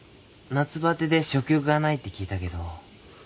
夏バテで食欲がないって聞いたけど。